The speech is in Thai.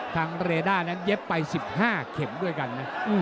เรด้านั้นเย็บไป๑๕เข็มด้วยกันนะ